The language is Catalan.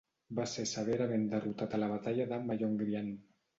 Va ser severament derrotat a la batalla de Myeongryang.